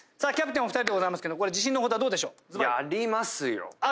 キャプテンお二人でございますけどこれ自信の程はどうでしょう？ありますよ。